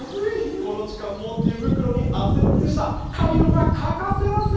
この時間も手袋に厚手の靴下、カイロが欠かせません。